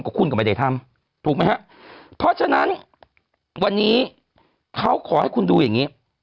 คุณก็ไม่ได้ทำถูกไหมฮะเพราะฉะนั้นวันนี้เขาขอให้คุณดูอย่างงี้